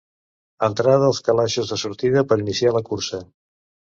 Entrada als calaixos de sortida per iniciar la cursa.